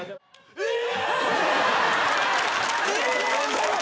えっ？